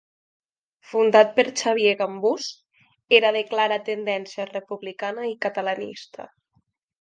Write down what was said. Fundat per Xavier Gambús, era de clara tendència republicana i catalanista.